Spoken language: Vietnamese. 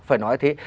phải nói thế